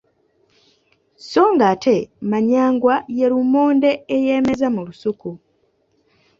Sso ng'ate manyangwa ye lumonde eyeemeza mu lusuku.